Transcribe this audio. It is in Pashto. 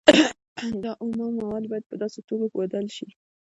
دا اومه مواد باید په داسې توکو بدل شي